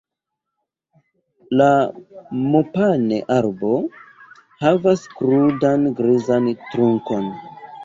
La mopane-arbo havas krudan, grizan trunkon.